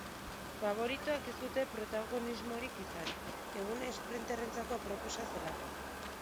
Faboritoek ez dute protagonismorik izan, eguna esprinterrentzako aproposa zelako.